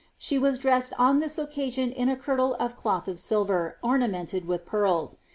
She was dresacd on this nacanta in a kirtle of cloth of silver, ornamented with pearls.